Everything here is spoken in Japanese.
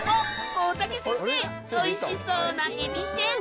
大竹先生おいしそうなえび天。